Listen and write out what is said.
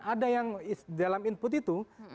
ada yang dalam input itu